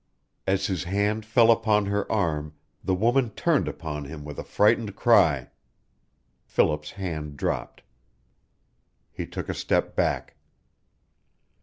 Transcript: As his hand fell upon her arm the woman turned upon him with a frightened cry. Philip's hand dropped. He took a step back.